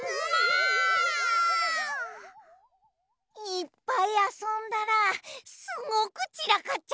いっぱいあそんだらすごくちらかっちゃったね。